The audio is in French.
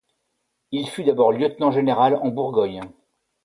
Il fut d'abord lieutenant général en Bourgogne.